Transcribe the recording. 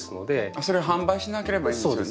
それを販売しなければいいんですよね。